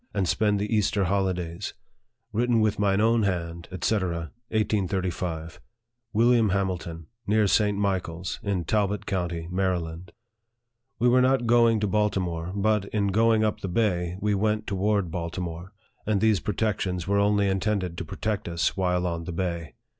87 and spend the Easter holidays. Written with mine own hand, &c., 1835. " WILLIAM HAMILTON, " Near St. Michael's, in Talbot county, Maryland." We were not going to Baltimore ; but, in going up the bay, we went toward Baltimore, and these protections were only intended to protect us while on the bay.